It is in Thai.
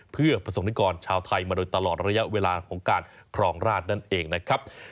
เพื่อประสงค์นิกรชาวไทยมาโดยตลอดระยะเวลาของการครองราชนั่นเองนะครับ